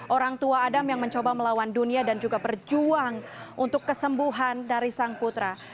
orang tua adam yang mencoba melawan dunia dan juga berjuang untuk kesembuhan dari sang putra